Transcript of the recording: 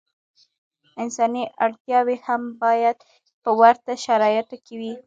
انساني اړتیاوې یې هم باید په ورته شرایطو کې وي.